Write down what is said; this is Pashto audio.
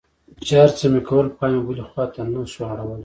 چې هرڅه مې کول پام مې بلې خوا ته نه سو اړولى.